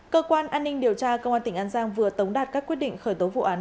cơ quan an ninh điều tra công an tỉnh an giang vừa tống đạt các quyết định khởi tố vụ án